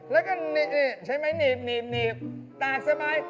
แล้วก็หนีบใช้ไหมหนีบตากสบาย